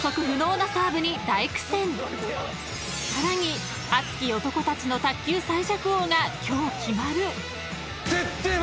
［さらに熱き男たちの卓球最弱王が今日決まる］